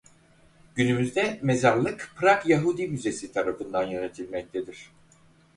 Günümüzde mezarlık Prag Yahudi Müzesi tarafından yönetilmektedir.